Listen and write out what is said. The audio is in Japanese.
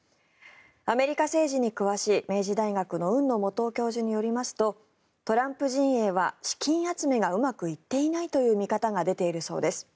アメリカ政治に詳しい明治大学の海野素央教授によりますとトランプ陣営は資金集めがうまくいっていないという見方が出ているそうです。